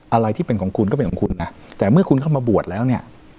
อะไรที่เป็นของคุณก็เป็นของคุณนะแต่เมื่อคุณเข้ามาบวชแล้วเนี่ย